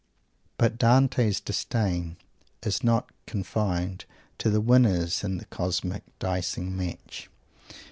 But Dante's "Disdain" is not confined to the winners in the cosmic dicing match.